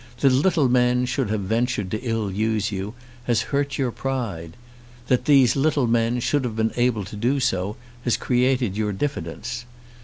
That little men should have ventured to ill use you, has hurt your pride. That these little men should have been able to do so has created your diffidence.